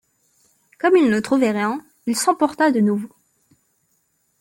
Comme il ne trouvait rien, il s’emporta de nouveau.